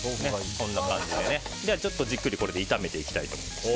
これでじっくり炒めていきたいと思います。